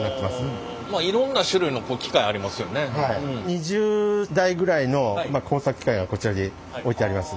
２０台ぐらいの工作機械がこちらに置いてあります。